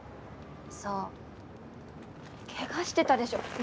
そうけがしてたでしょ？